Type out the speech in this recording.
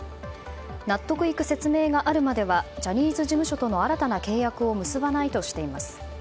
納得いく説明があるまではジャニーズ事務所との新たな契約を結ばないとしています。